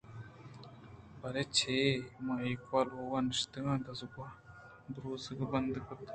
بلئے چے؟ ما ایوک لوگ ءَ نشتءُدروزگ بند کُت اَنت